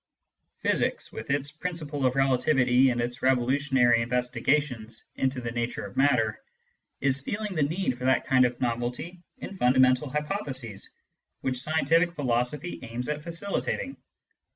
Physics, with its principle of relativity and its revolutionary investigations into the nature of matter, is feeling the need for that kind of novelty in fundament^ hypotheses which scientific philosophy aims at facilitating.